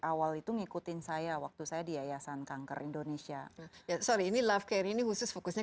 awal itu ngikutin saya waktu saya di yayasan kanker indonesia ya sorry ini love care ini khusus fokusnya